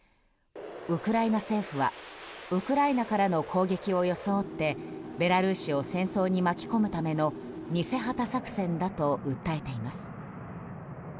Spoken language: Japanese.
ウクライナ政府はウクライナからの攻撃を装って、ベラルーシを戦争に巻き込むための偽旗作戦だと訴えています。